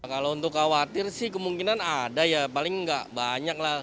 kalau untuk khawatir sih kemungkinan ada ya paling nggak banyak lah